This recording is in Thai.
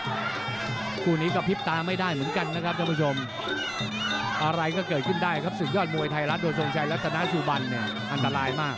คู่นี้ก็พลิบตาไม่ได้เหมือนกันนะครับท่านผู้ชมอะไรก็เกิดขึ้นได้ครับศึกยอดมวยไทยรัฐโดยทรงชัยรัตนาสุบันเนี่ยอันตรายมาก